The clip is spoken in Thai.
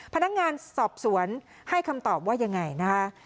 พนักงานสอบสวนให้คำตอบว่ายังไงนะคะ